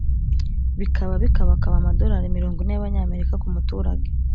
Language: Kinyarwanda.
bikaba bikabakaba amadolari mirongo ine y'abanyamerika ku muturage